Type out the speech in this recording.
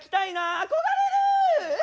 憧れる！